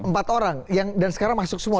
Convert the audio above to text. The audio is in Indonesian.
empat orang dan sekarang masuk semua